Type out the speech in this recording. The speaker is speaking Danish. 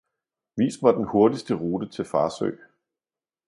Vis mig den hurtigste rute til Farsø